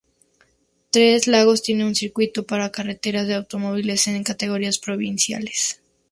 Tres Lagos tiene un circuito para carreras de automóviles en categorías provinciales.